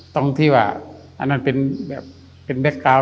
ตรงที่ว่าอันนั้นเป็นแบ็คกราว